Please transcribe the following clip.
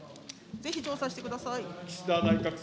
ぜひ調査してください。